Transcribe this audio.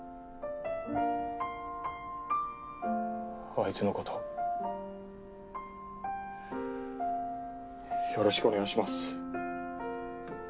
あいつの事よろしくお願いします。